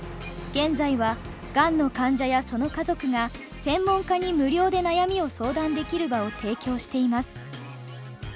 現在はがんの患者やその家族が専門家に無料で悩みを相談できる場を提供しています。